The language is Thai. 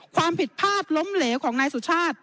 ความผิดพลาดล้มเหลวของนายสุชาติ